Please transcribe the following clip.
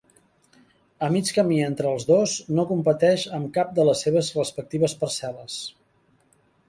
A mig camí entre els dos, no competeix amb cap de les seves respectives parcel·les.